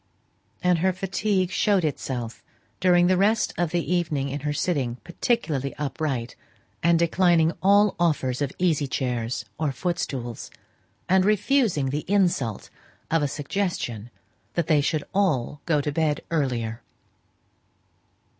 And her fatigue showed itself during the rest of the evening in her sitting particularly upright, and declining all offers of easy chairs or foot stools, and refusing the insult of a suggestion that they should all go to bed earlier.